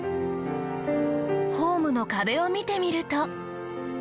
ホームの壁を見てみると。